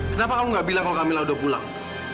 kenapa kamu nggak bilang kalau kamilah udah pulang